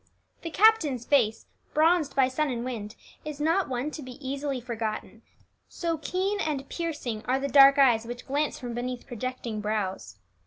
The captain's face, bronzed by sun and wind, is not one to be easily forgotten, so keen and piercing are the dark eyes which glance from beneath projecting brows.